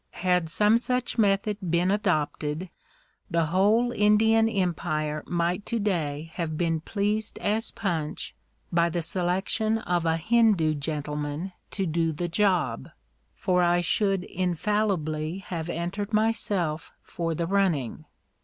Had some such method been adopted, the whole Indian Empire might to day have been pleased as Punch by the selection of a Hindoo gentleman to do the job for I should infallibly have entered myself for the running.